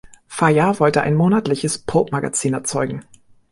Fayard wollte ein monatliches Pulp-Magazin erzeugen.